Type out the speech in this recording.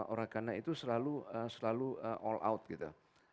orang kaya itu selalu all out gitu